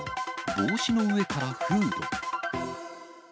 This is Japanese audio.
帽子の上からフード。